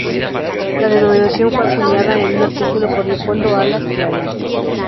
La denominación fue acuñada en un artículo por Leopoldo Alas, "Clarín".